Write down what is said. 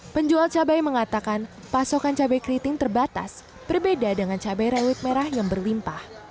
penjual cabai mengatakan pasokan cabai keriting terbatas berbeda dengan cabai rawit merah yang berlimpah